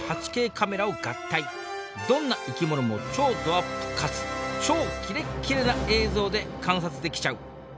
どんな生き物も超どアップかつ超キレッキレな映像で観察できちゃう。